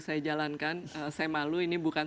saya jalankan saya malu ini bukan